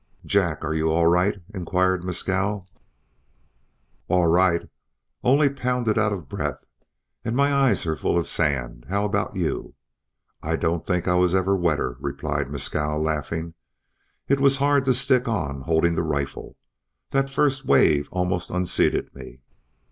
"Jack, are you all right?" inquired Mescal. "All right, only pounded out of breath, and my eyes are full of sand. How about you?" "I don't think I ever was any wetter," replied Mescal, laughing. "It was hard to stick on holding the rifle. That first wave almost unseated me.